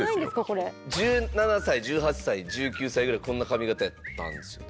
１７歳１８歳１９歳ぐらいこんな髪形やったんですよね。